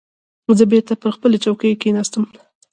زه بېرته پر خپلې چوکۍ کېناستم.